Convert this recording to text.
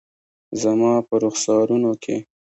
زما په رخسارونو کې